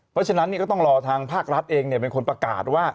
เพราะฉะนั้นก็ต้องรอทางภาครัฐเองเป็นคนประกาศว่า